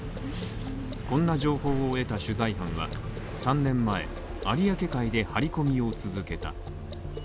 こんな情報を得た取材班は３年前、有明海で張り込みを続けた。